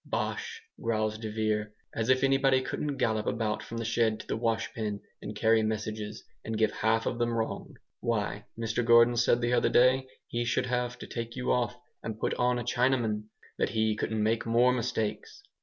"Bosh!" growls de Vere, "as if anybody couldn't gallop about from the shed to the washpen, and carry messages, and give half of them wrong! Why, Mr Gordon said the other day, he should have to take you off and put on a Chinaman that he couldn't make more mistakes."